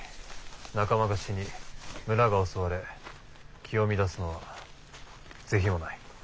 仲間が死に村が襲われ気を乱すのは是非もない。